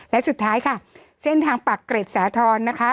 และสุดท้ายค่ะเส้นทางปากเกร็ดสาธรณ์นะคะ